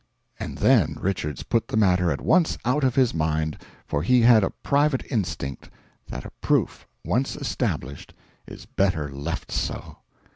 And then Richards put the matter at once out of his mind, for he had a private instinct that a proof once established is better left so.